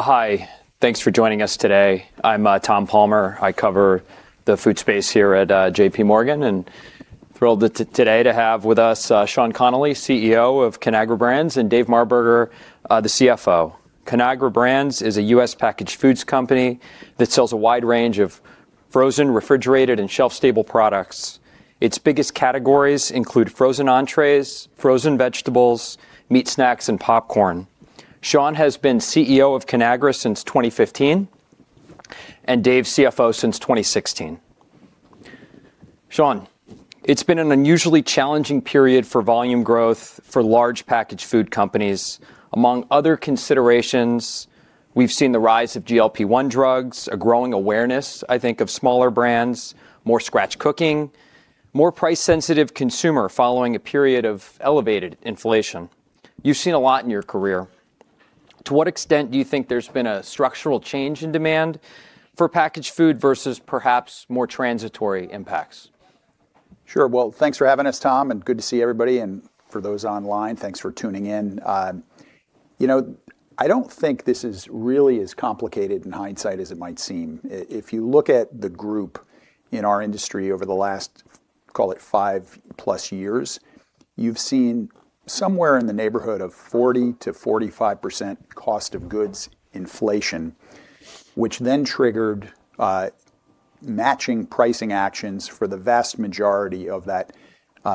Hi, thanks for joining us today. I'm Tom Palmer. I cover the food space here at JPMorgan, and I'm thrilled today to have with us Sean Connolly, CEO of Conagra Brands, and Dave Marberger, the CFO. Conagra Brands is a U.S. packaged foods company that sells a wide range of frozen, refrigerated, and shelf-stable products. Its biggest categories include frozen entrees, frozen vegetables, meat snacks, and popcorn. Sean has been CEO of Conagra since 2015, and Dave, CFO, since 2016. Sean, it's been an unusually challenging period for volume growth for large packaged food companies. Among other considerations, we've seen the rise of GLP-1 drugs, a growing awareness, I think, of smaller brands, more scratch cooking, more price-sensitive consumer following a period of elevated inflation. You've seen a lot in your career. To what extent do you think there's been a structural change in demand for packaged food versus perhaps more transitory impacts? Sure. Thanks for having us, Tom, and good to see everybody. For those online, thanks for tuning in. You know, I don't think this is really as complicated in hindsight as it might seem. If you look at the group in our industry over the last, call it, five-plus years, you've seen somewhere in the neighborhood of 40%-45% cost of goods inflation, which then triggered matching pricing actions for the vast majority of that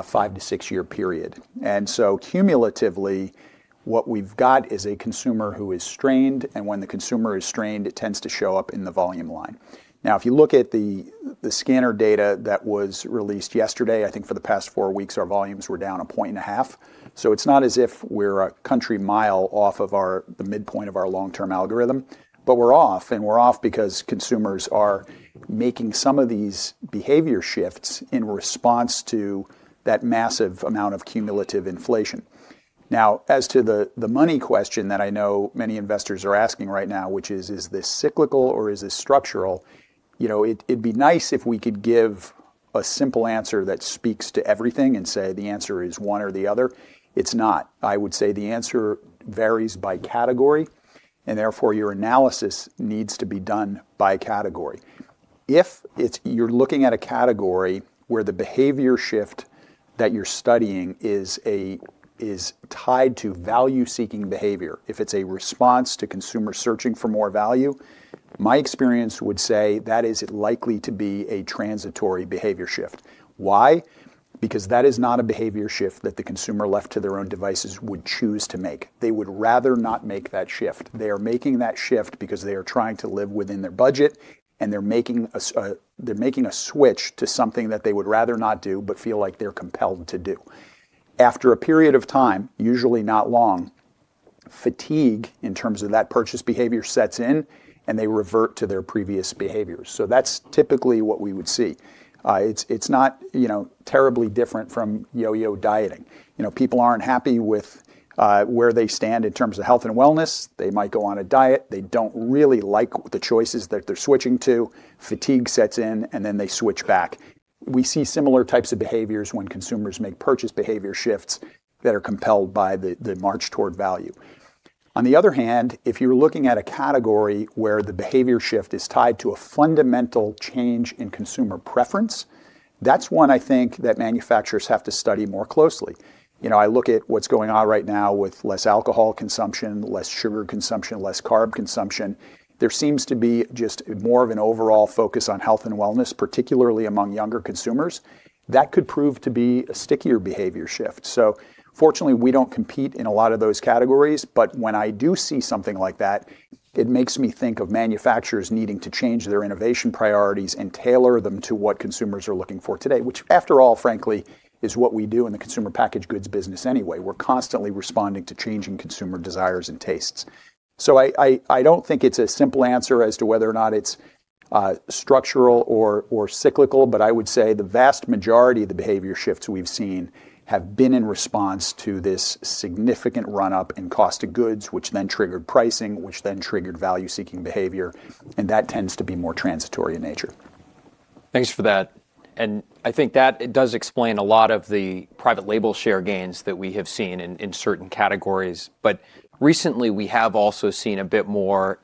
five-to-six-year period. Cumulatively, what we've got is a consumer who is strained, and when the consumer is strained, it tends to show up in the volume line. Now, if you look at the scanner data that was released yesterday, I think for the past four weeks, our volumes were down a point and a half. It is not as if we are a country mile off of the midpoint of our long-term algorithm, but we are off, and we are off because consumers are making some of these behavior shifts in response to that massive amount of cumulative inflation. Now, as to the money question that I know many investors are asking right now, which is, is this cyclical or is this structural? You know, it would be nice if we could give a simple answer that speaks to everything and say the answer is one or the other. It is not. I would say the answer varies by category, and therefore your analysis needs to be done by category. If you're looking at a category where the behavior shift that you're studying is tied to value-seeking behavior, if it's a response to consumers searching for more value, my experience would say that is likely to be a transitory behavior shift. Why? Because that is not a behavior shift that the consumer, left to their own devices, would choose to make. They would rather not make that shift. They are making that shift because they are trying to live within their budget, and they're making a switch to something that they would rather not do but feel like they're compelled to do. After a period of time, usually not long, fatigue in terms of that purchase behavior sets in, and they revert to their previous behaviors. That is typically what we would see. It is not terribly different from yo-yo dieting. You know, people aren't happy with where they stand in terms of health and wellness. They might go on a diet. They don't really like the choices that they're switching to. Fatigue sets in, and then they switch back. We see similar types of behaviors when consumers make purchase behavior shifts that are compelled by the march toward value. On the other hand, if you're looking at a category where the behavior shift is tied to a fundamental change in consumer preference, that's one, I think, that manufacturers have to study more closely. You know, I look at what's going on right now with less alcohol consumption, less sugar consumption, less carb consumption. There seems to be just more of an overall focus on health and wellness, particularly among younger consumers. That could prove to be a stickier behavior shift. Fortunately, we don't compete in a lot of those categories, but when I do see something like that, it makes me think of manufacturers needing to change their innovation priorities and tailor them to what consumers are looking for today, which, after all, frankly, is what we do in the consumer packaged goods business anyway. We're constantly responding to changing consumer desires and tastes. I don't think it's a simple answer as to whether or not it's structural or cyclical, but I would say the vast majority of the behavior shifts we've seen have been in response to this significant run-up in cost of goods, which then triggered pricing, which then triggered value-seeking behavior, and that tends to be more transitory in nature. Thanks for that. I think that does explain a lot of the private label share gains that we have seen in certain categories. Recently, we have also seen a bit more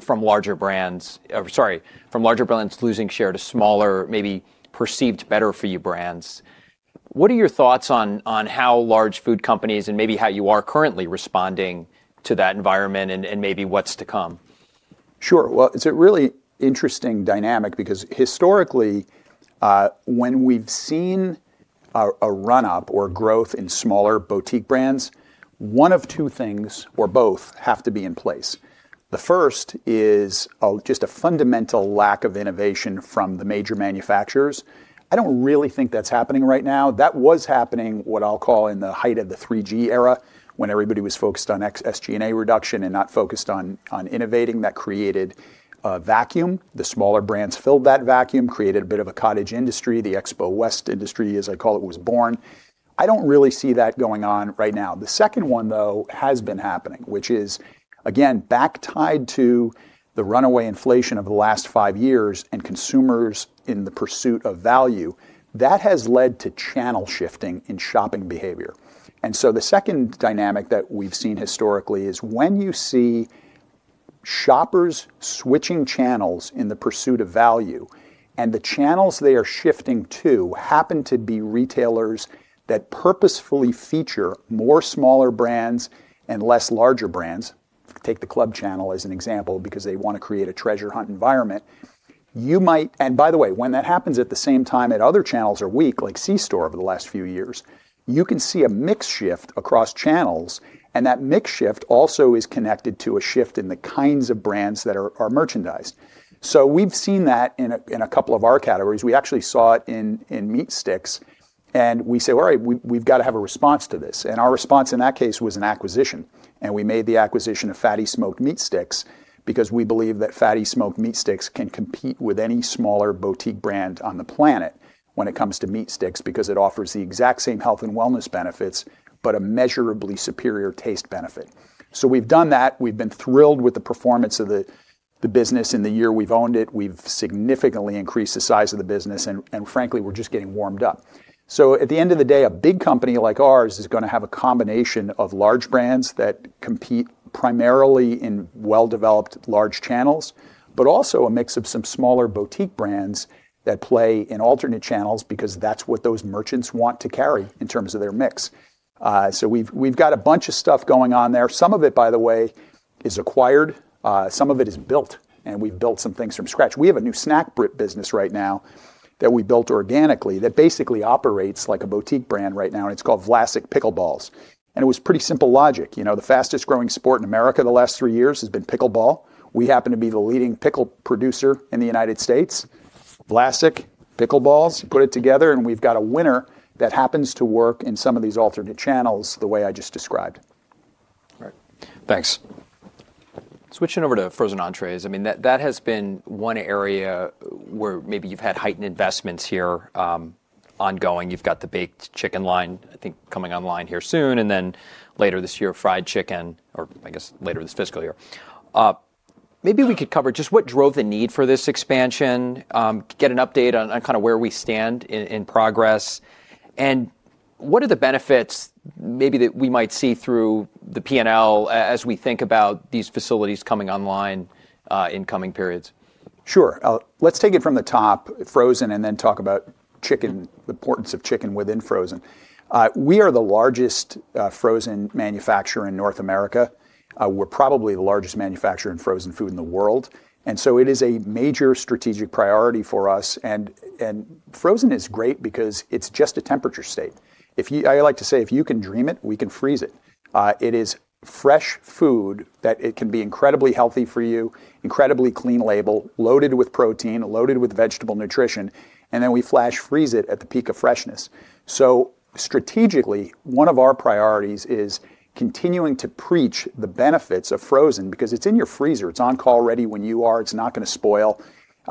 from larger brands, or sorry, from larger brands losing share to smaller, maybe perceived better-for-you brands. What are your thoughts on how large food companies and maybe how you are currently responding to that environment and maybe what's to come? Sure. It is a really interesting dynamic because historically, when we have seen a run-up or growth in smaller boutique brands, one of two things, or both, have to be in place. The first is just a fundamental lack of innovation from the major manufacturers. I do not really think that is happening right now. That was happening, what I will call, in the height of the 3G era, when everybody was focused on SG&A reduction and not focused on innovating. That created a vacuum. The smaller brands filled that vacuum, created a bit of a cottage industry. The Expo West industry, as I call it, was born. I do not really see that going on right now. The second one, though, has been happening, which is, again, back tied to the runaway inflation of the last five years and consumers in the pursuit of value. That has led to channel shifting in shopping behavior. The second dynamic that we've seen historically is when you see shoppers switching channels in the pursuit of value, and the channels they are shifting to happen to be retailers that purposefully feature more smaller brands and less larger brands. Take the Club channel as an example because they want to create a treasure hunt environment. You might, and by the way, when that happens at the same time that other channels are weak, like Seastore over the last few years, you can see a mixed shift across channels, and that mixed shift also is connected to a shift in the kinds of brands that are merchandised. We've seen that in a couple of our categories. We actually saw it in meat sticks, and we say, "All right, we've got to have a response to this." Our response in that case was an acquisition, and we made the acquisition of FATTY Smoked Meat Sticks because we believe that FATTY Smoked Meat Sticks can compete with any smaller boutique brand on the planet when it comes to meat sticks because it offers the exact same health and wellness benefits but a measurably superior taste benefit. We have done that. We have been thrilled with the performance of the business in the year we have owned it. We have significantly increased the size of the business, and frankly, we are just getting warmed up. At the end of the day, a big company like ours is going to have a combination of large brands that compete primarily in well-developed large channels, but also a mix of some smaller boutique brands that play in alternate channels because that is what those merchants want to carry in terms of their mix. We have a bunch of stuff going on there. Some of it, by the way, is acquired. Some of it is built, and we have built some things from scratch. We have a new snack business right now that we built organically that basically operates like a boutique brand right now, and it is called Vlasic Pickle Balls. It was pretty simple logic. You know, the fastest-growing sport in America the last three years has been pickle ball. We happen to be the leading pickle producer in the United States. Vlasic Pickle Balls, put it together, and we've got a winner that happens to work in some of these alternate channels the way I just described. Right. Thanks. Switching over to frozen entrees, I mean, that has been one area where maybe you've had heightened investments here ongoing. You've got the baked chicken line, I think, coming online here soon, and then later this year, fried chicken, or I guess later this fiscal year. Maybe we could cover just what drove the need for this expansion, get an update on kind of where we stand in progress, and what are the benefits maybe that we might see through the P&L as we think about these facilities coming online in coming periods? Sure. Let's take it from the top, frozen, and then talk about chicken, the importance of chicken within frozen. We are the largest frozen manufacturer in North America. We're probably the largest manufacturer in frozen food in the world. It is a major strategic priority for us. Frozen is great because it's just a temperature state. I like to say, if you can dream it, we can freeze it. It is fresh food that can be incredibly healthy for you, incredibly clean label, loaded with protein, loaded with vegetable nutrition, and then we flash freeze it at the peak of freshness. Strategically, one of our priorities is continuing to preach the benefits of frozen because it's in your freezer. It's on call ready when you are. It's not going to spoil.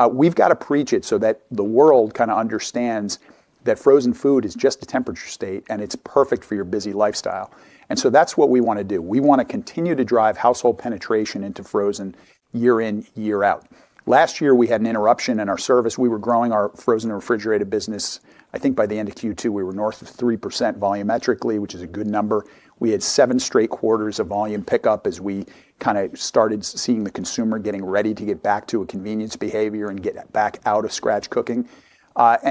We've got to preach it so that the world kind of understands that frozen food is just a temperature state, and it's perfect for your busy lifestyle. That is what we want to do. We want to continue to drive household penetration into frozen year in, year out. Last year, we had an interruption in our service. We were growing our frozen and refrigerated business. I think by the end of Q2, we were north of 3% volumetrically, which is a good number. We had seven straight quarters of volume pickup as we kind of started seeing the consumer getting ready to get back to a convenience behavior and get back out of scratch cooking.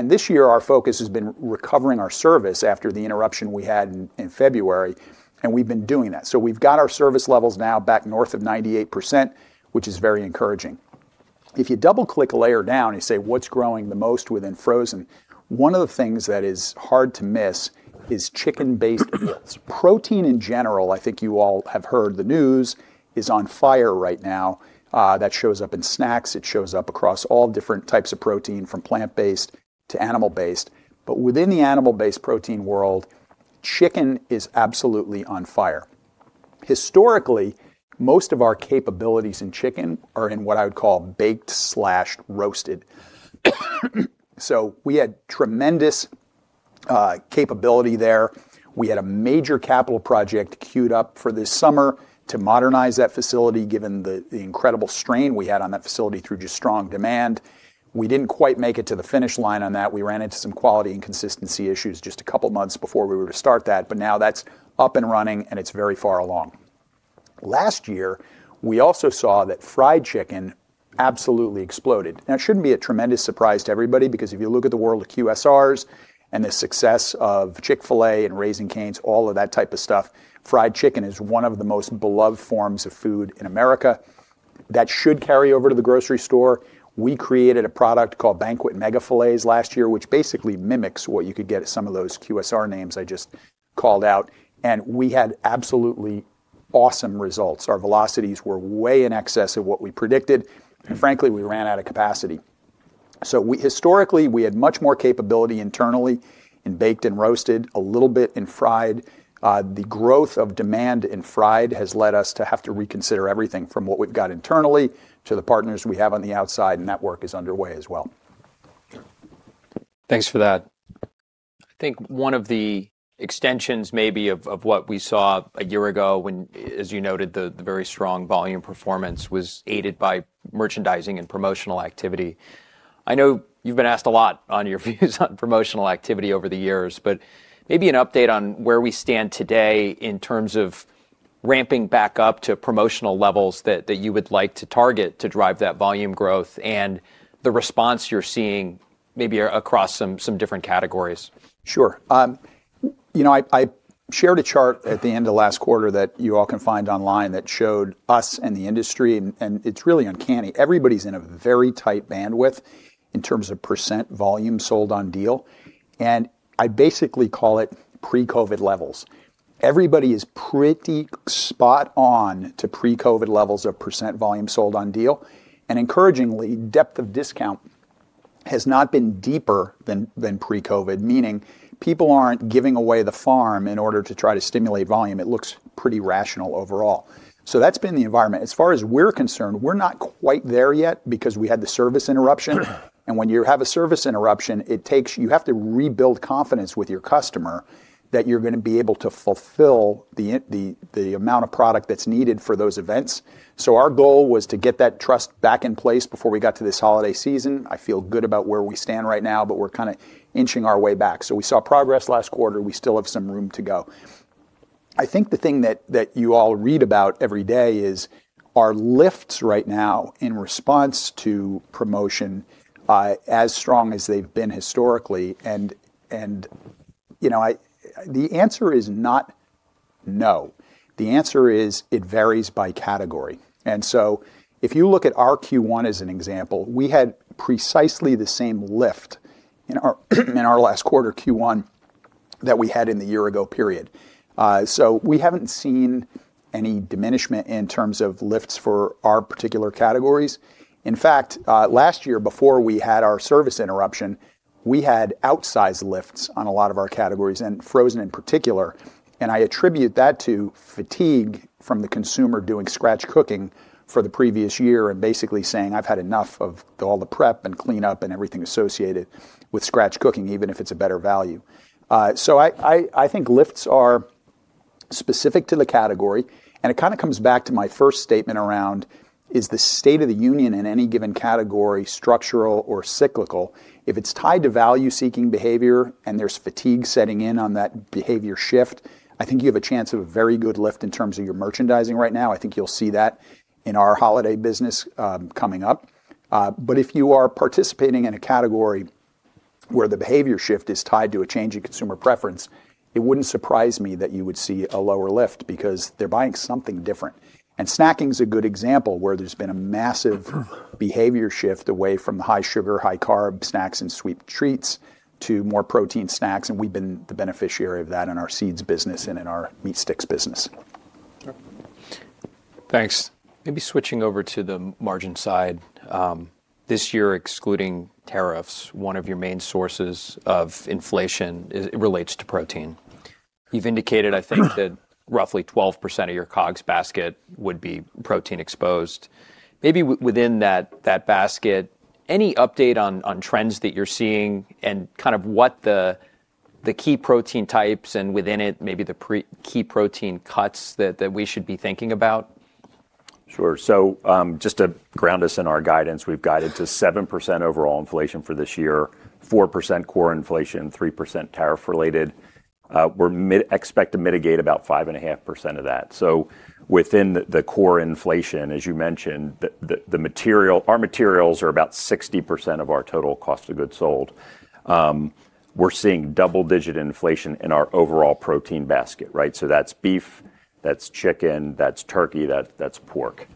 This year, our focus has been recovering our service after the interruption we had in February, and we've been doing that. We've got our service levels now back north of 98%, which is very encouraging. If you double-click a layer down and you say, what's growing the most within frozen, one of the things that is hard to miss is chicken-based meals. Protein in general, I think you all have heard the news, is on fire right now. That shows up in snacks. It shows up across all different types of protein, from plant-based to animal-based. Within the animal-based protein world, chicken is absolutely on fire. Historically, most of our capabilities in chicken are in what I would call baked/roasted. We had tremendous capability there. We had a major capital project queued up for this summer to modernize that facility, given the incredible strain we had on that facility through just strong demand. We did not quite make it to the finish line on that. We ran into some quality and consistency issues just a couple of months before we were to start that, but now that is up and running, and it is very far along. Last year, we also saw that fried chicken absolutely exploded. Now, it should not be a tremendous surprise to everybody because if you look at the world of QSRs and the success of Chick-fil-A and Raising Cane's, all of that type of stuff, fried chicken is one of the most beloved forms of food in America. That should carry over to the grocery store. We created a product called Banquet Mega Filets last year, which basically mimics what you could get at some of those QSR names I just called out. We had absolutely awesome results. Our velocities were way in excess of what we predicted, and frankly, we ran out of capacity. Historically, we had much more capability internally in baked and roasted, a little bit in fried. The growth of demand in fried has led us to have to reconsider everything from what we've got internally to the partners we have on the outside, and that work is underway as well. Thanks for that. I think one of the extensions maybe of what we saw a year ago when, as you noted, the very strong volume performance was aided by merchandising and promotional activity. I know you've been asked a lot on your views on promotional activity over the years, but maybe an update on where we stand today in terms of ramping back up to promotional levels that you would like to target to drive that volume growth and the response you're seeing maybe across some different categories. Sure. You know, I shared a chart at the end of last quarter that you all can find online that showed us and the industry, and it's really uncanny. Everybody's in a very tight bandwidth in terms of percent volume sold on deal, and I basically call it pre-COVID levels. Everybody is pretty spot on to pre-COVID levels of percent volume sold on deal, and encouragingly, depth of discount has not been deeper than pre-COVID, meaning people aren't giving away the farm in order to try to stimulate volume. It looks pretty rational overall. That's been the environment. As far as we're concerned, we're not quite there yet because we had the service interruption. When you have a service interruption, it takes, you have to rebuild confidence with your customer that you're going to be able to fulfill the amount of product that's needed for those events. Our goal was to get that trust back in place before we got to this holiday season. I feel good about where we stand right now, but we're kind of inching our way back. We saw progress last quarter. We still have some room to go. I think the thing that you all read about every day is our lifts right now in response to promotion as strong as they've been historically. You know, the answer is not no. The answer is it varies by category. If you look at our Q1 as an example, we had precisely the same lift in our last quarter Q1 that we had in the year-ago period. We haven't seen any diminishment in terms of lifts for our particular categories. In fact, last year, before we had our service interruption, we had outsized lifts on a lot of our categories and frozen in particular. I attribute that to fatigue from the consumer doing scratch cooking for the previous year and basically saying, "I've had enough of all the prep and cleanup and everything associated with scratch cooking, even if it's a better value." I think lifts are specific to the category, and it kind of comes back to my first statement around, is the state of the union in any given category, structural or cyclical, if it's tied to value-seeking behavior and there's fatigue setting in on that behavior shift, I think you have a chance of a very good lift in terms of your merchandising right now. I think you'll see that in our holiday business coming up. If you are participating in a category where the behavior shift is tied to a change in consumer preference, it would not surprise me that you would see a lower lift because they are buying something different. Snacking is a good example where there has been a massive behavior shift away from the high-sugar, high-carb snacks and sweet treats to more protein snacks, and we have been the beneficiary of that in our seeds business and in our meat sticks business. Thanks. Maybe switching over to the margin side. This year, excluding tariffs, one of your main sources of inflation relates to protein. You've indicated, I think, that roughly 12% of your COGS basket would be protein-exposed. Maybe within that basket, any update on trends that you're seeing and kind of what the key protein types and within it, maybe the key protein cuts that we should be thinking about? Sure. So just to ground us in our guidance, we've guided to 7% overall inflation for this year, 4% core inflation, 3% tariff-related. We expect to mitigate about 5.5% of that. So within the core inflation, as you mentioned, our materials are about 60% of our total cost of goods sold. We're seeing double-digit inflation in our overall protein basket, right? So that's beef, that's chicken, that's turkey, that's pork.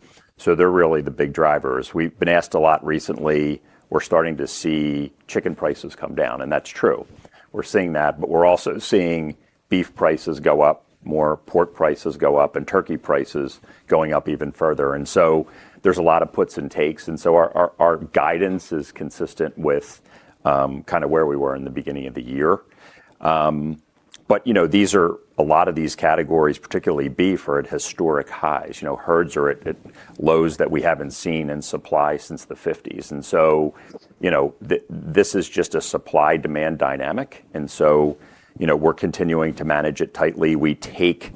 They're really the big drivers. We've been asked a lot recently. We're starting to see chicken prices come down, and that's true. We're seeing that, but we're also seeing beef prices go up, more pork prices go up, and turkey prices going up even further. There's a lot of puts and takes. Our guidance is consistent with kind of where we were in the beginning of the year. You know, a lot of these categories, particularly beef, are at historic highs. You know, herds are at lows that we have not seen in supply since the 1950s. You know, this is just a supply-demand dynamic. You know, we are continuing to manage it tightly. We take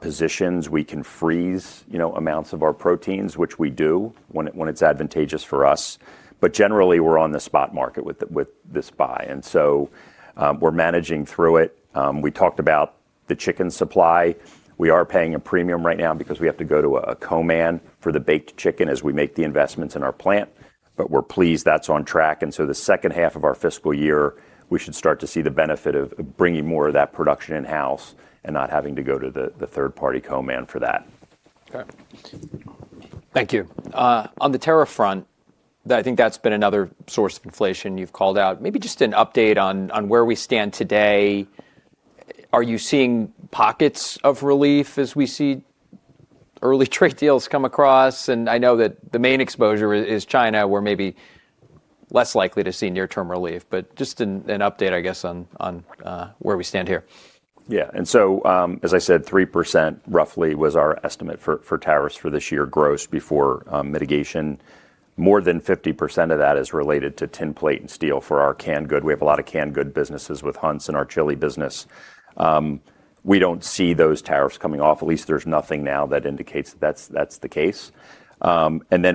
positions. We can freeze amounts of our proteins, which we do when it is advantageous for us. Generally, we are on the spot market with this buy. We are managing through it. We talked about the chicken supply. We are paying a premium right now because we have to go to a co-man for the baked chicken as we make the investments in our plant, but we are pleased that is on track. The second half of our fiscal year, we should start to see the benefit of bringing more of that production in-house and not having to go to the third-party co-man for that. Okay. Thank you. On the tariff front, I think that's been another source of inflation you've called out. Maybe just an update on where we stand today. Are you seeing pockets of relief as we see early trade deals come across? I know that the main exposure is China, where maybe less likely to see near-term relief, but just an update, I guess, on where we stand here. Yeah. As I said, 3% roughly was our estimate for tariffs for this year gross before mitigation. More than 50% of that is related to tin plate and steel for our canned good. We have a lot of canned good businesses with Hunt's and our chili business. We do not see those tariffs coming off. At least there is nothing now that indicates that is the case.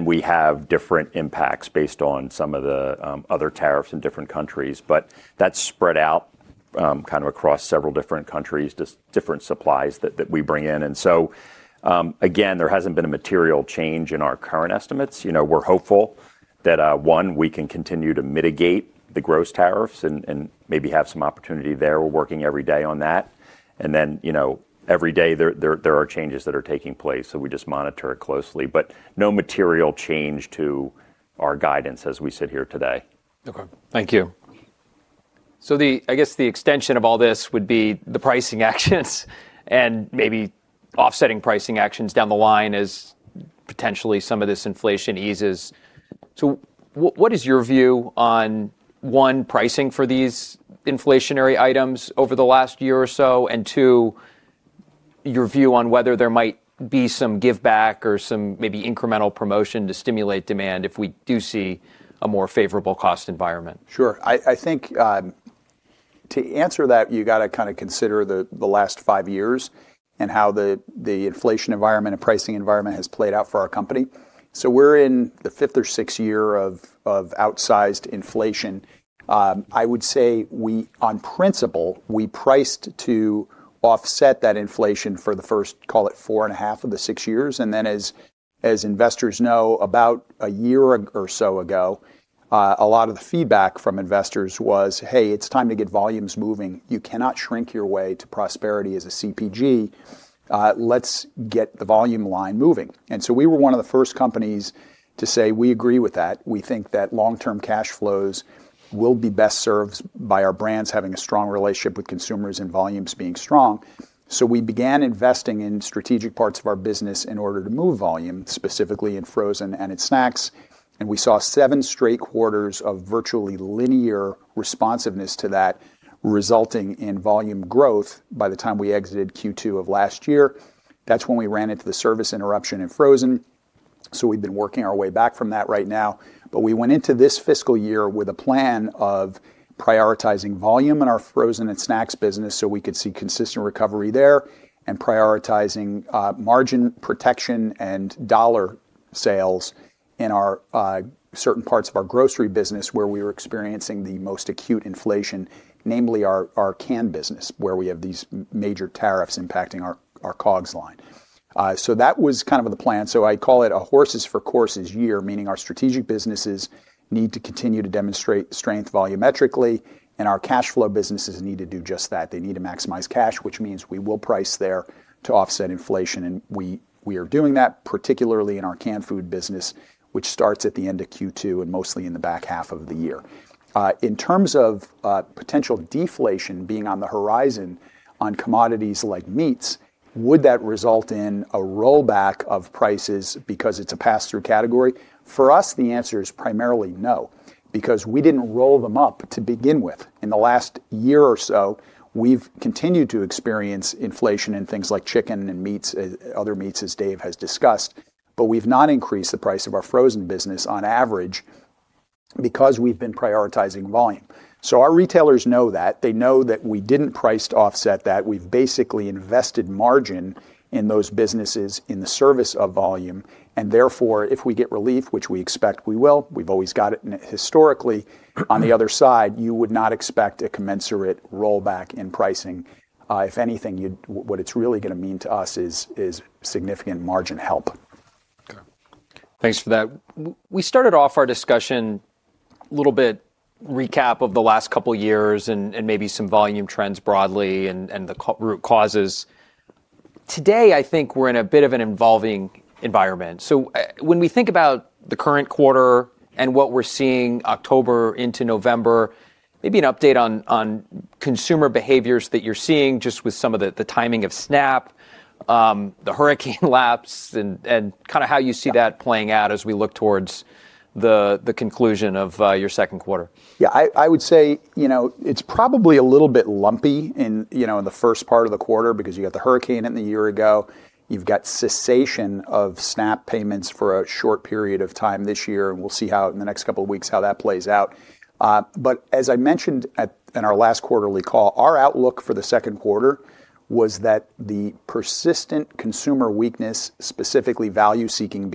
We have different impacts based on some of the other tariffs in different countries, but that is spread out kind of across several different countries, just different supplies that we bring in. Again, there has not been a material change in our current estimates. You know, we are hopeful that, one, we can continue to mitigate the gross tariffs and maybe have some opportunity there. We are working every day on that. You know, every day there are changes that are taking place, so we just monitor it closely. No material change to our guidance as we sit here today. Okay. Thank you. I guess the extension of all this would be the pricing actions and maybe offsetting pricing actions down the line as potentially some of this inflation eases. What is your view on, one, pricing for these inflationary items over the last year or so, and two, your view on whether there might be some give back or some maybe incremental promotion to stimulate demand if we do see a more favorable cost environment? Sure. I think to answer that, you got to kind of consider the last five years and how the inflation environment and pricing environment has played out for our company. We are in the fifth or sixth year of outsized inflation. I would say, on principle, we priced to offset that inflation for the first, call it four and a half of the six years. As investors know, about a year or so ago, a lot of the feedback from investors was, "Hey, it's time to get volumes moving. You cannot shrink your way to prosperity as a CPG. Let's get the volume line moving." We were one of the first companies to say, "We agree with that. We think that long-term cash flows will be best served by our brands having a strong relationship with consumers and volumes being strong. We began investing in strategic parts of our business in order to move volume, specifically in frozen and in snacks. We saw seven straight quarters of virtually linear responsiveness to that, resulting in volume growth by the time we exited Q2 of last year. That is when we ran into the service interruption in frozen. We have been working our way back from that right now. We went into this fiscal year with a plan of prioritizing volume in our frozen and snacks business so we could see consistent recovery there and prioritizing margin protection and dollar sales in certain parts of our grocery business where we were experiencing the most acute inflation, namely our canned business, where we have these major tariffs impacting our COGS line. That was kind of the plan. I call it a horses-for-courses year, meaning our strategic businesses need to continue to demonstrate strength volumetrically, and our cash flow businesses need to do just that. They need to maximize cash, which means we will price there to offset inflation, and we are doing that, particularly in our canned food business, which starts at the end of Q2 and mostly in the back half of the year. In terms of potential deflation being on the horizon on commodities like meats, would that result in a rollback of prices because it's a pass-through category? For us, the answer is primarily no because we didn't roll them up to begin with. In the last year or so, we've continued to experience inflation in things like chicken and other meats, as Dave has discussed, but we've not increased the price of our frozen business on average because we've been prioritizing volume. Our retailers know that. They know that we didn't price to offset that. We've basically invested margin in those businesses in the service of volume. Therefore, if we get relief, which we expect we will, we've always got it historically. On the other side, you would not expect a commensurate rollback in pricing. If anything, what it's really going to mean to us is significant margin help. Okay. Thanks for that. We started off our discussion a little bit recap of the last couple of years and maybe some volume trends broadly and the root causes. Today, I think we're in a bit of an evolving environment. When we think about the current quarter and what we're seeing October into November, maybe an update on consumer behaviors that you're seeing just with some of the timing of SNAP, the hurricane laps, and kind of how you see that playing out as we look towards the conclusion of your second quarter. Yeah, I would say, you know, it's probably a little bit lumpy in the first part of the quarter because you got the hurricane in the year ago. You have got cessation of SNAP payments for a short period of time this year, and we will see how in the next couple of weeks how that plays out. As I mentioned in our last quarterly call, our outlook for the second quarter was that the persistent consumer weakness, specifically value-seeking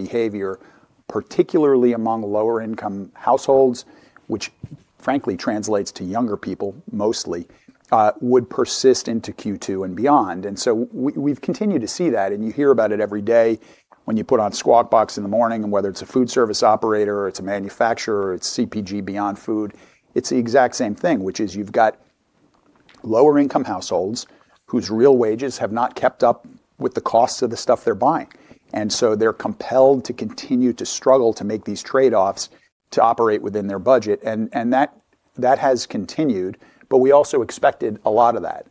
behavior, particularly among lower-income households, which frankly translates to younger people mostly, would persist into Q2 and beyond. We have continued to see that, and you hear about it every day when you put on Squawk Box in the morning, and whether it is a food service operator or it is a manufacturer or it is CPG beyond food, it is the exact same thing, which is you have got lower-income households whose real wages have not kept up with the cost of the stuff they are buying. They are compelled to continue to struggle to make these trade-offs to operate within their budget. That has continued, but we also expected a lot of that.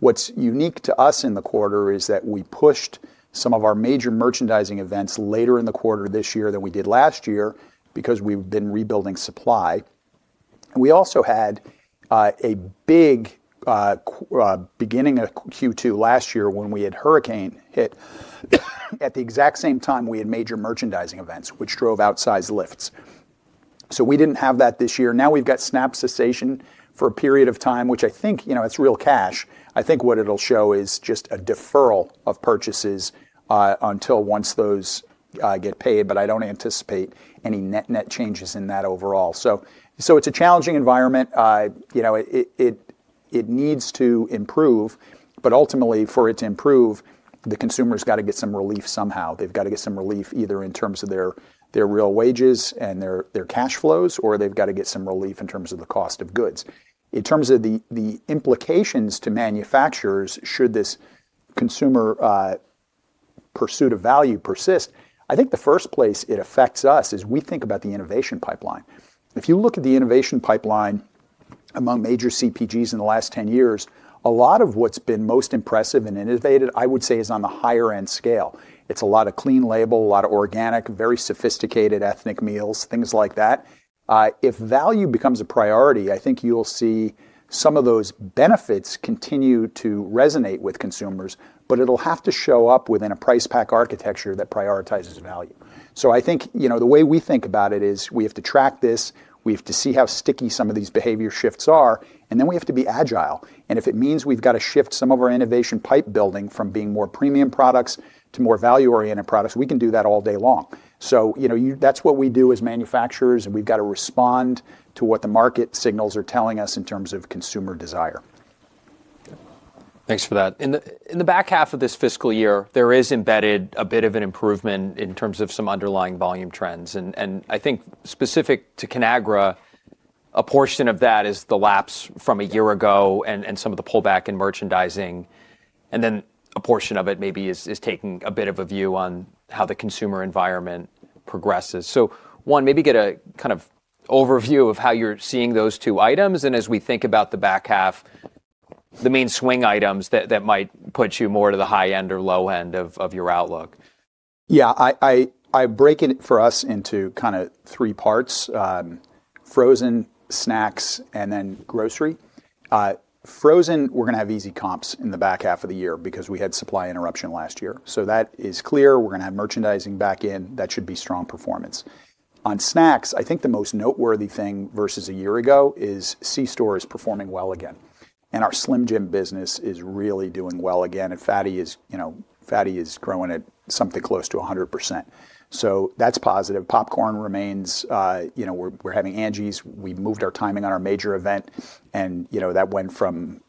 What is unique to us in the quarter is that we pushed some of our major merchandising events later in the quarter this year than we did last year because we have been rebuilding supply. We also had a big beginning of Q2 last year when we had a hurricane hit at the exact same time we had major merchandising events, which drove outsized lifts. We did not have that this year. Now we have got SNAP cessation for a period of time, which I think, you know, it is real cash. I think what it will show is just a deferral of purchases until once those get paid, but I do not anticipate any net-net changes in that overall. It is a challenging environment. You know, it needs to improve, but ultimately, for it to improve, the consumer has got to get some relief somehow. They have got to get some relief either in terms of their real wages and their cash flows, or they have got to get some relief in terms of the cost of goods. In terms of the implications to manufacturers, should this consumer pursuit of value persist, I think the first place it affects us is we think about the innovation pipeline. If you look at the innovation pipeline among major CPGs in the last 10 years, a lot of what's been most impressive and innovative, I would say, is on the higher-end scale. It's a lot of clean label, a lot of organic, very sophisticated ethnic meals, things like that. If value becomes a priority, I think you'll see some of those benefits continue to resonate with consumers, but it'll have to show up within a price pack architecture that prioritizes value. I think, you know, the way we think about it is we have to track this. We have to see how sticky some of these behavior shifts are, and then we have to be agile. If it means we have got to shift some of our innovation pipe building from being more premium products to more value-oriented products, we can do that all day long. You know, that is what we do as manufacturers, and we have got to respond to what the market signals are telling us in terms of consumer desire. Thanks for that. In the back half of this fiscal year, there is embedded a bit of an improvement in terms of some underlying volume trends. I think specific to Conagra, a portion of that is the lapse from a year ago and some of the pullback in merchandising. A portion of it maybe is taking a bit of a view on how the consumer environment progresses. One, maybe get a kind of overview of how you're seeing those two items. As we think about the back half, the main swing items that might put you more to the high end or low end of your outlook. Yeah, I break it for us into kind of three parts: frozen, snacks, and then grocery. Frozen, we're going to have easy comps in the back half of the year because we had supply interruption last year. That is clear. We're going to have merchandising back in. That should be strong performance. On snacks, I think the most noteworthy thing versus a year ago is c-store is performing well again. Our Slim Jim business is really doing well again. And FATTY is, you know, FATTY is growing at something close to 100%. That is positive. Popcorn remains, you know, we're having Ange's. We moved our timing on our major event. That went from,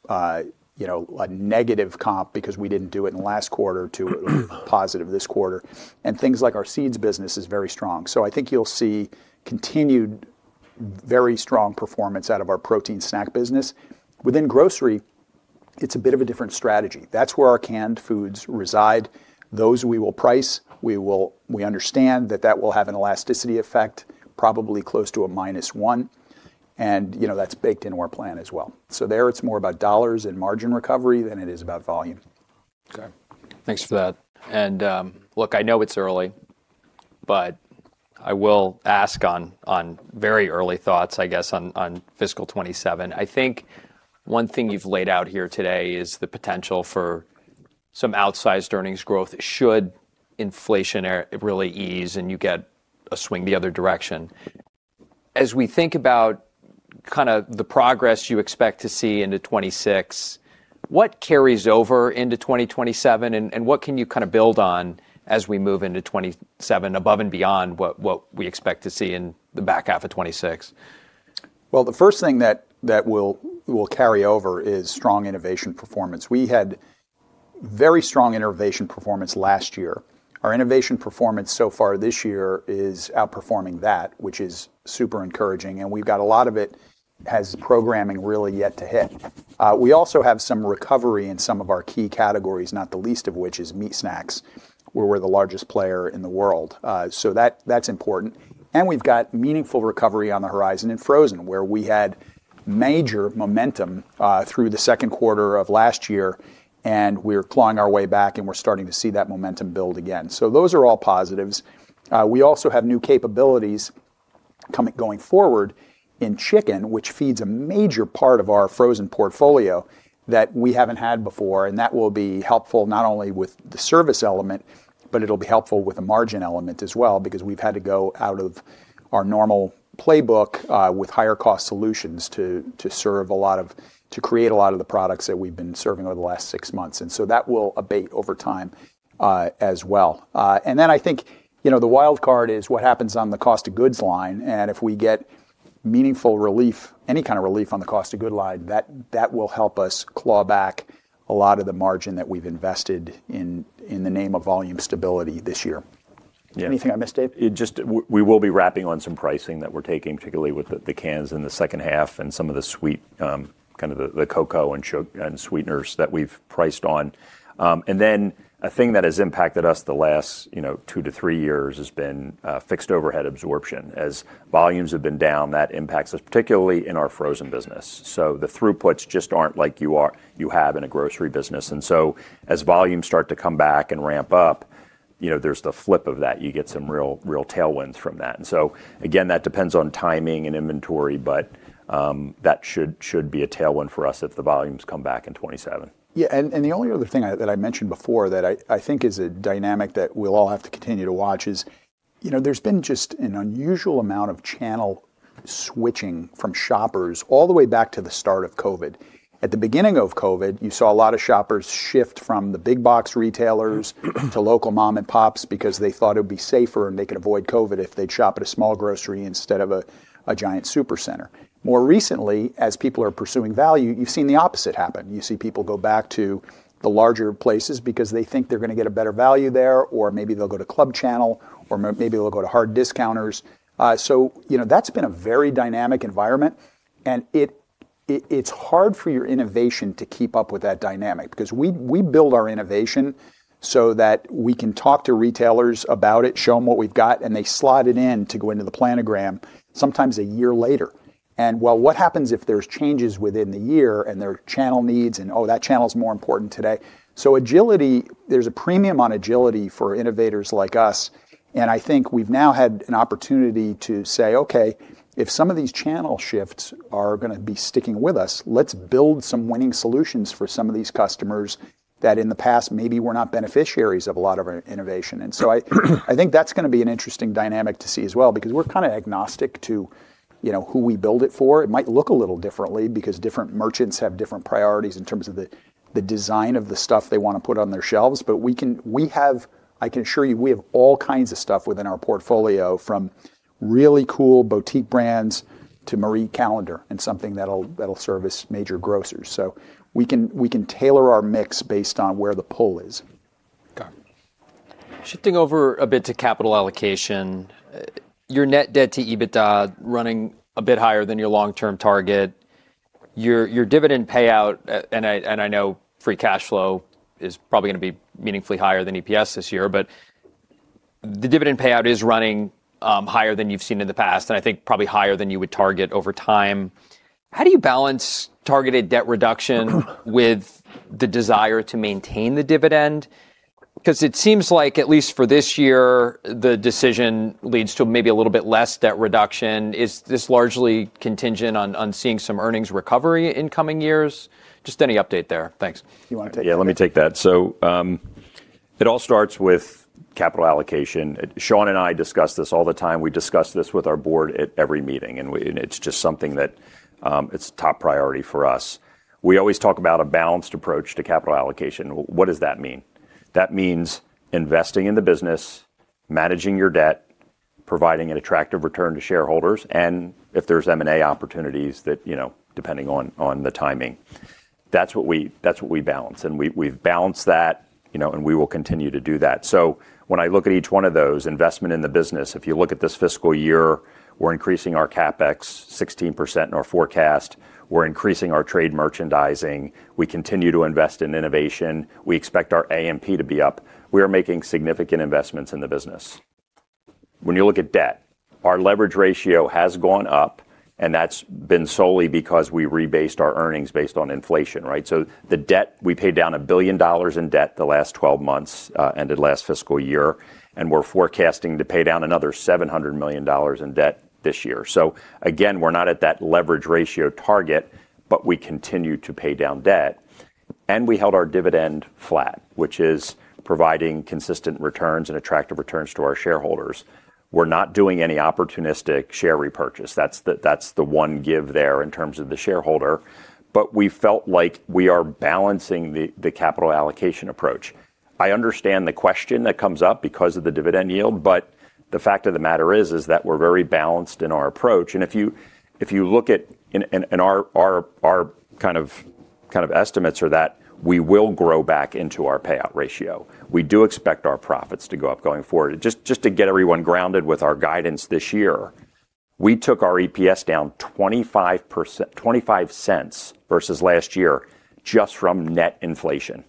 you know, a negative comp because we did not do it in the last quarter to a positive this quarter. Things like our seeds business is very strong. I think you'll see continued very strong performance out of our protein snack business. Within grocery, it's a bit of a different strategy. That's where our canned foods reside. Those we will price. We understand that that will have an elasticity effect, probably close to a -1. You know, that's baked into our plan as well. There, it's more about dollars and margin recovery than it is about volume. Okay. Thanks for that. Look, I know it's early, but I will ask on very early thoughts, I guess, on fiscal 2027. I think one thing you've laid out here today is the potential for some outsized earnings growth should inflation really ease and you get a swing the other direction. As we think about kind of the progress you expect to see into 2026, what carries over into 2027 and what can you kind of build on as we move into 2027 above and beyond what we expect to see in the back half of 2026? The first thing that will carry over is strong innovation performance. We had very strong innovation performance last year. Our innovation performance so far this year is outperforming that, which is super encouraging. We have a lot of it as programming really yet to hit. We also have some recovery in some of our key categories, not the least of which is meat snacks, where we are the largest player in the world. That is important. We have meaningful recovery on the horizon in frozen, where we had major momentum through the second quarter of last year, and we are clawing our way back, and we are starting to see that momentum build again. Those are all positives. We also have new capabilities going forward in chicken, which feeds a major part of our frozen portfolio that we have not had before. That will be helpful not only with the service element, but it'll be helpful with the margin element as well because we've had to go out of our normal playbook with higher cost solutions to serve a lot of, to create a lot of the products that we've been serving over the last six months. That will abate over time as well. I think, you know, the wild card is what happens on the cost of goods line. If we get meaningful relief, any kind of relief on the cost of goods line, that will help us claw back a lot of the margin that we've invested in the name of volume stability this year. Yeah. Anything I missed, Dave? Just we will be wrapping on some pricing that we're taking, particularly with the cans in the second half and some of the sweet, kind of the cocoa and sweeteners that we've priced on. And then a thing that has impacted us the last, you know, two to three years has been fixed overhead absorption. As volumes have been down, that impacts us, particularly in our frozen business. So the throughputs just aren't like you have in a grocery business. And so as volumes start to come back and ramp up, you know, there's the flip of that. You get some real tailwinds from that. And so again, that depends on timing and inventory, but that should be a tailwind for us if the volumes come back in 2027. Yeah. The only other thing that I mentioned before that I think is a dynamic that we'll all have to continue to watch is, you know, there's been just an unusual amount of channel switching from shoppers all the way back to the start of COVID. At the beginning of COVID, you saw a lot of shoppers shift from the big box retailers to local mom-and-pops because they thought it would be safer and they could avoid COVID if they'd shop at a small grocery instead of a giant supercenter. More recently, as people are pursuing value, you've seen the opposite happen. You see people go back to the larger places because they think they're going to get a better value there, or maybe they'll go to Club Channel, or maybe they'll go to hard discounters. You know, that's been a very dynamic environment. It is hard for your innovation to keep up with that dynamic because we build our innovation so that we can talk to retailers about it, show them what we have got, and they slot it in to go into the planogram sometimes a year later. What happens if there are changes within the year and there are channel needs and, oh, that channel is more important today? Agility, there is a premium on agility for innovators like us. I think we have now had an opportunity to say, okay, if some of these channel shifts are going to be sticking with us, let us build some winning solutions for some of these customers that in the past maybe were not beneficiaries of a lot of our innovation. I think that's going to be an interesting dynamic to see as well because we're kind of agnostic to, you know, who we build it for. It might look a little differently because different merchants have different priorities in terms of the design of the stuff they want to put on their shelves. We can, we have, I can assure you, we have all kinds of stuff within our portfolio from really cool boutique brands to Marie Callender's and something that'll service major grocers. We can tailor our mix based on where the pull is. Okay. Shifting over a bit to capital allocation, your net debt to EBITDA running a bit higher than your long-term target. Your dividend payout, and I know free cash flow is probably going to be meaningfully higher than EPS this year, but the dividend payout is running higher than you've seen in the past, and I think probably higher than you would target over time. How do you balance targeted debt reduction with the desire to maintain the dividend? Because it seems like, at least for this year, the decision leads to maybe a little bit less debt reduction. Is this largely contingent on seeing some earnings recovery in coming years? Just any update there. Thanks. You want to take that? Yeah, let me take that. It all starts with capital allocation. Sean and I discuss this all the time. We discuss this with our board at every meeting, and it is just something that is top priority for us. We always talk about a balanced approach to capital allocation. What does that mean? That means investing in the business, managing your debt, providing an attractive return to shareholders, and if there is M&A opportunities that, you know, depending on the timing. That is what we balance. We have balanced that, you know, and we will continue to do that. When I look at each one of those, investment in the business, if you look at this fiscal year, we are increasing our CapEx 16% in our forecast. We are increasing our trade merchandising. We continue to invest in innovation. We expect our A&P to be up. We are making significant investments in the business. When you look at debt, our leverage ratio has gone up, and that's been solely because we rebased our earnings based on inflation, right? The debt, we paid down $1 billion in debt the last 12 months and the last fiscal year, and we're forecasting to pay down another $700 million in debt this year. We're not at that leverage ratio target, but we continue to pay down debt. We held our dividend flat, which is providing consistent returns and attractive returns to our shareholders. We're not doing any opportunistic share repurchase. That's the one give there in terms of the shareholder. We felt like we are balancing the capital allocation approach. I understand the question that comes up because of the dividend yield, but the fact of the matter is that we're very balanced in our approach. If you look at our kind of estimates, we will grow back into our payout ratio. We do expect our profits to go up going forward. Just to get everyone grounded with our guidance this year, we took our EPS down $0.25 versus last year just from net inflation.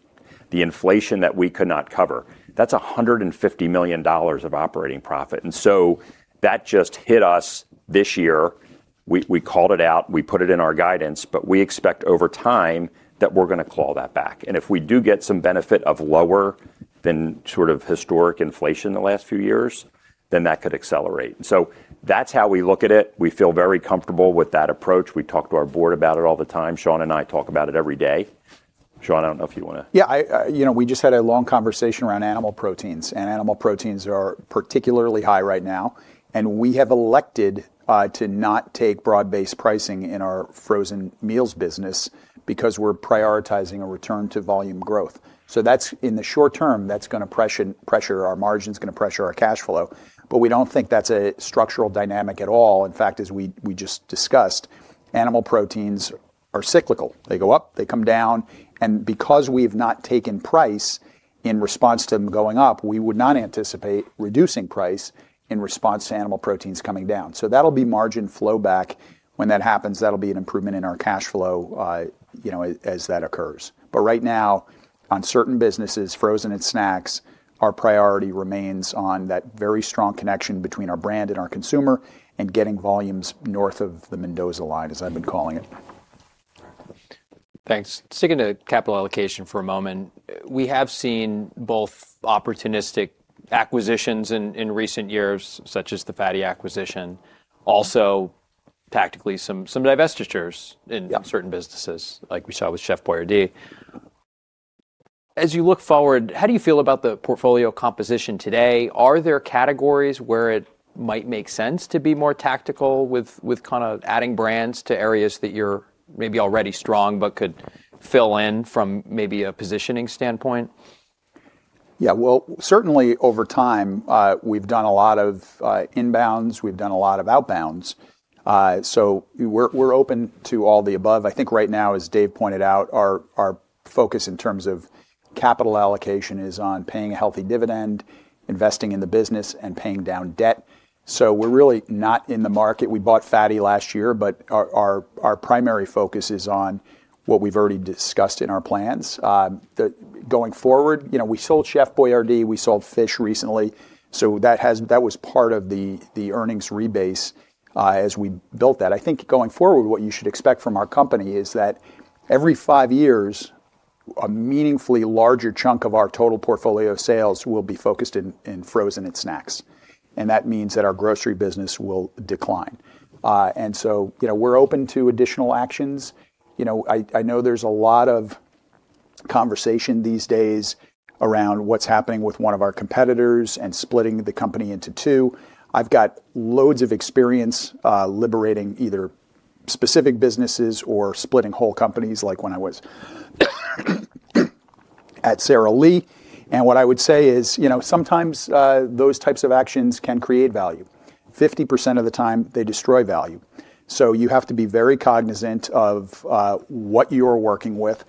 The inflation that we could not cover, that's $150 million of operating profit. That just hit us this year. We called it out. We put it in our guidance, but we expect over time that we're going to claw that back. If we do get some benefit of lower than sort of historic inflation the last few years, then that could accelerate. That's how we look at it. We feel very comfortable with that approach. We talk to our board about it all the time. Sean and I talk about it every day. Sean, I do not know if you want to. Yeah, you know, we just had a long conversation around animal proteins. Animal proteins are particularly high right now. We have elected to not take broad-based pricing in our frozen meals business because we're prioritizing a return to volume growth. That, in the short term, is going to pressure our margins, going to pressure our cash flow. We don't think that's a structural dynamic at all. In fact, as we just discussed, animal proteins are cyclical. They go up, they come down. Because we have not taken price in response to them going up, we would not anticipate reducing price in response to animal proteins coming down. That will be margin flow back. When that happens, that will be an improvement in our cash flow, you know, as that occurs. Right now, on certain businesses, frozen and snacks, our priority remains on that very strong connection between our brand and our consumer and getting volumes north of the Mendoza line, as I've been calling it. Thanks. Sticking to capital allocation for a moment, we have seen both opportunistic acquisitions in recent years, such as the FATTY acquisition, also tactically some divestitures in certain businesses, like we saw with Chef Boyardee. As you look forward, how do you feel about the portfolio composition today? Are there categories where it might make sense to be more tactical with kind of adding brands to areas that you're maybe already strong but could fill in from maybe a positioning standpoint? Yeah, certainly over time, we've done a lot of inbounds. We've done a lot of outbounds. We're open to all the above. I think right now, as Dave pointed out, our focus in terms of capital allocation is on paying a healthy dividend, investing in the business, and paying down debt. We're really not in the market. We bought FATTY last year, but our primary focus is on what we've already discussed in our plans. Going forward, you know, we sold Chef Boyardee. We sold fish recently. That was part of the earnings rebase as we built that. I think going forward, what you should expect from our company is that every five years, a meaningfully larger chunk of our total portfolio sales will be focused in frozen and snacks. That means that our grocery business will decline. You know, we're open to additional actions. You know, I know there's a lot of conversation these days around what's happening with one of our competitors and splitting the company into two. I've got loads of experience liberating either specific businesses or splitting whole companies like when I was at Sara Lee. What I would say is, you know, sometimes those types of actions can create value. 50% of the time, they destroy value. You have to be very cognizant of what you're working with.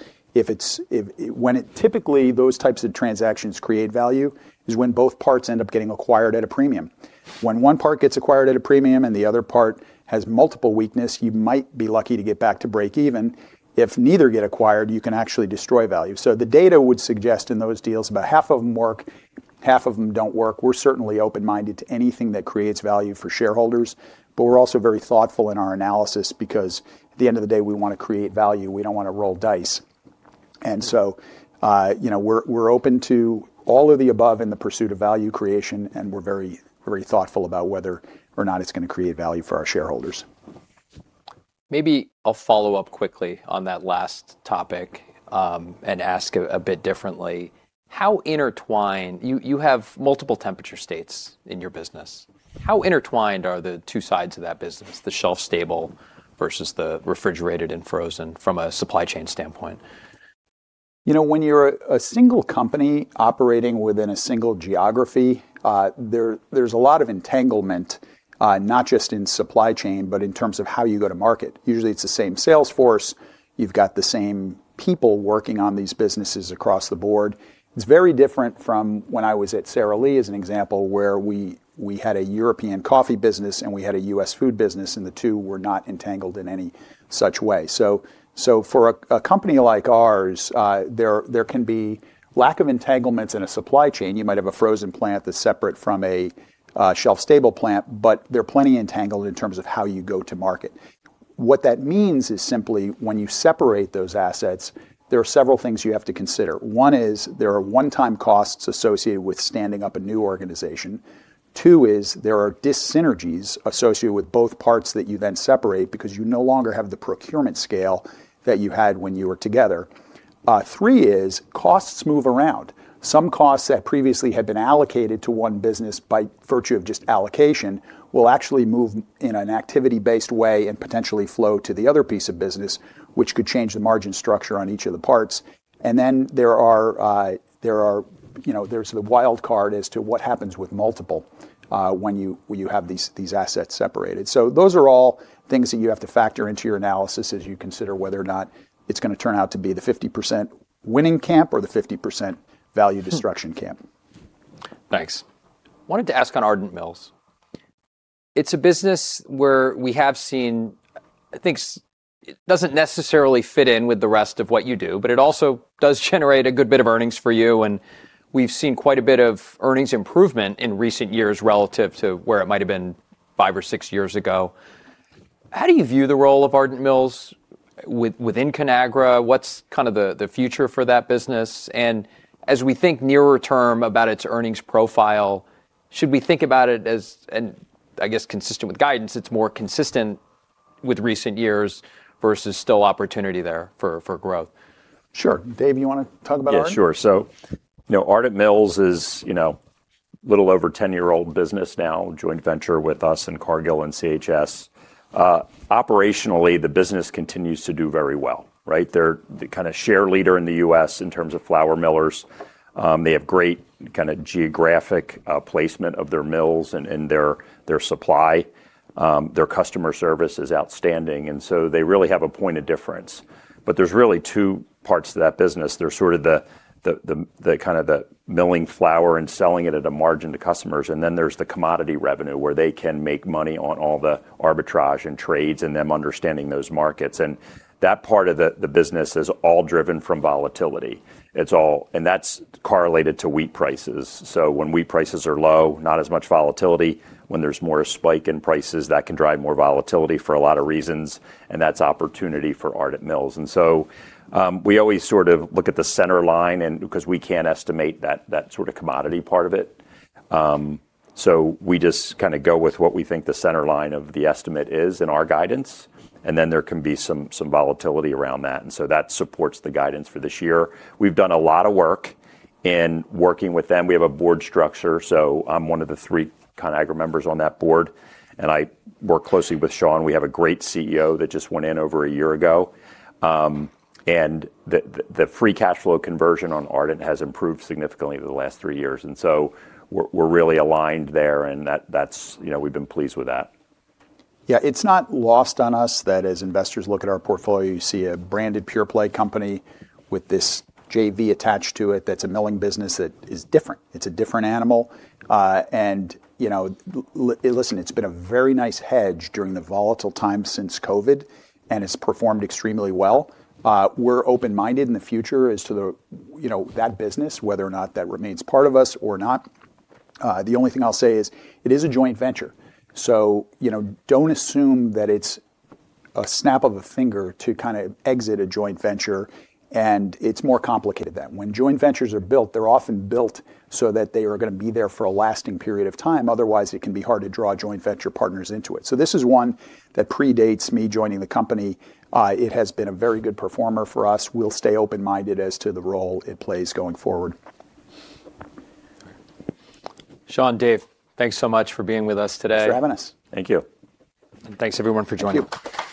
When typically those types of transactions create value is when both parts end up getting acquired at a premium. When one part gets acquired at a premium and the other part has multiple weakness, you might be lucky to get back to break even. If neither get acquired, you can actually destroy value. The data would suggest in those deals, about half of them work, half of them don't work. We're certainly open-minded to anything that creates value for shareholders. We're also very thoughtful in our analysis because at the end of the day, we want to create value. We don't want to roll dice. You know, we're open to all of the above in the pursuit of value creation, and we're very, very thoughtful about whether or not it's going to create value for our shareholders. Maybe I'll follow up quickly on that last topic and ask a bit differently. How intertwined? You have multiple temperature states in your business. How intertwined are the two sides of that business, the shelf stable versus the refrigerated and frozen from a supply chain standpoint? You know, when you're a single company operating within a single geography, there's a lot of entanglement, not just in supply chain, but in terms of how you go to market. Usually, it's the same Salesforce. You've got the same people working on these businesses across the board. It's very different from when I was at Sara Lee, as an example, where we had a European coffee business and we had a U.S. food business, and the two were not entangled in any such way. For a company like ours, there can be lack of entanglements in a supply chain. You might have a frozen plant that's separate from a shelf stable plant, but they're plenty entangled in terms of how you go to market. What that means is simply when you separate those assets, there are several things you have to consider. One is there are one-time costs associated with standing up a new organization. Two is there are disynergies associated with both parts that you then separate because you no longer have the procurement scale that you had when you were together. Three is costs move around. Some costs that previously had been allocated to one business by virtue of just allocation will actually move in an activity-based way and potentially flow to the other piece of business, which could change the margin structure on each of the parts. There is, you know, the wild card as to what happens with multiple when you have these assets separated. Those are all things that you have to factor into your analysis as you consider whether or not it's going to turn out to be the 50% winning camp or the 50% value destruction camp. Thanks. Wanted to ask on Ardent Mills. It's a business where we have seen, I think it doesn't necessarily fit in with the rest of what you do, but it also does generate a good bit of earnings for you. We have seen quite a bit of earnings improvement in recent years relative to where it might have been five or six years ago. How do you view the role of Ardent Mills within Conagra? What's kind of the future for that business? As we think nearer term about its earnings profile, should we think about it as, and I guess consistent with guidance, it's more consistent with recent years versus still opportunity there for growth? Sure. Dave, you want to talk about Ardent? Yeah, sure. So, you know, Ardent Mills is, you know, a little over 10-year-old business now, joint venture with us and Cargill and CHS. Operationally, the business continues to do very well, right? They're the kind of share leader in the U.S. in terms of flour millers. They have great kind of geographic placement of their mills and their supply. Their customer service is outstanding. They really have a point of difference. There are really two parts to that business. There is sort of the kind of the milling flour and selling it at a margin to customers. Then there is the commodity revenue where they can make money on all the arbitrage and trades and them understanding those markets. That part of the business is all driven from volatility. That is correlated to wheat prices. When wheat prices are low, not as much volatility. When there's more a spike in prices, that can drive more volatility for a lot of reasons. That is opportunity for Ardent Mills. We always sort of look at the center line because we can't estimate that sort of commodity part of it. We just kind of go with what we think the center line of the estimate is in our guidance. There can be some volatility around that. That supports the guidance for this year. We've done a lot of work in working with them. We have a board structure. I'm one of the three Conagra members on that board. I work closely with Sean. We have a great CEO that just went in over a year ago. The free cash flow conversion on Ardent has improved significantly over the last three years. We are really aligned there. That's, you know, we've been pleased with that. Yeah, it's not lost on us that as investors look at our portfolio, you see a branded pure play company with this JV attached to it that's a milling business that is different. It's a different animal. You know, listen, it's been a very nice hedge during the volatile time since COVID, and it's performed extremely well. We're open-minded in the future as to, you know, that business, whether or not that remains part of us or not. The only thing I'll say is it is a joint venture. You know, don't assume that it's a snap of a finger to kind of exit a joint venture. It's more complicated than that. When joint ventures are built, they're often built so that they are going to be there for a lasting period of time. Otherwise, it can be hard to draw joint venture partners into it. This is one that predates me joining the company. It has been a very good performer for us. We'll stay open-minded as to the role it plays going forward. Sean and Dave, thanks so much for being with us today. Thanks for having us. Thank you. Thanks everyone for joining. Thank you.